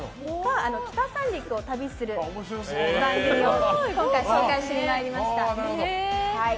北三陸を旅する番組を今回、紹介しにまいりました。